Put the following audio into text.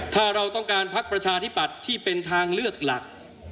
ถ้าเราต้องการพักประชาธิปัตย์ที่เป็นทางเลือกหลัก